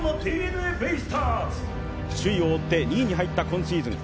首位を追って２位に入った今シーズン。